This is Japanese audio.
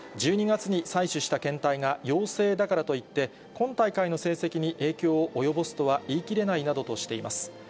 １２月に採取した検体が陽性だからといって、今大会の成績に影響を及ぼすとは言い切れないなどとしています。